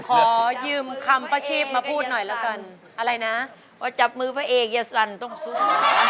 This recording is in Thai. ขอยืมคำป้าชีพมาพูดหน่อยแล้วกันอะไรนะว่าจับมือพระเอกอย่าสั่นต้องสู้